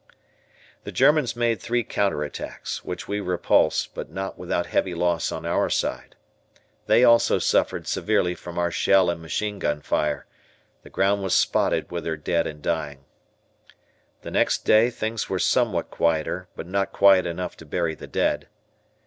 The Germans made three counter attacks, which we repulsed, but not without heavy loss on our side. They also suffered severely from our shell and machine gun fire. The ground was spotted with their dead and dying. The next day things were somewhat quieter, but not quiet enough to bury the dead.